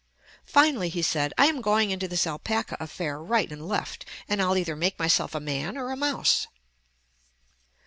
Finally he said, "I am going into this alpaca affair right and left, and I'll either make myself a man or a mouse."